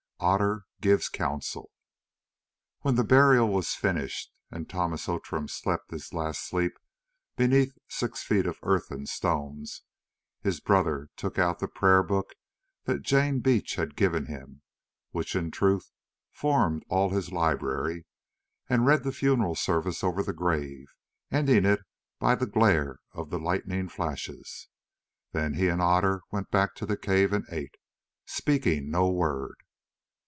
OTTER GIVES COUNSEL When the burial was finished and Thomas Outram slept his last sleep beneath six feet of earth and stones, his brother took out the prayer book that Jane Beach had given him, which in truth formed all his library, and read the funeral service over the grave, ending it by the glare of the lightning flashes. Then he and Otter went back to the cave and ate, speaking no word.